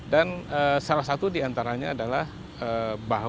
dan salah satu diantaranya adalah perusahaan